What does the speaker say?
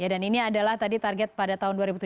dan ini adalah tadi target pada tahun dua ribu tujuh belas